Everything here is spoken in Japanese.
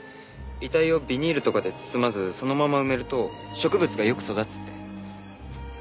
遺体をビニールとかで包まずそのまま埋めると植物がよく育つって。